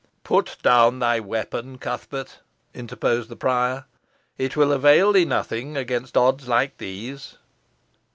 "Put down thy weapon, Cuthbert," interposed the prior; "it will avail thee nothing against odds like these."